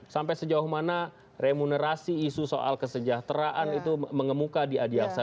sampai sejauh mana remunerasi isu soal kesejahteraan itu mengemuka di adiaksa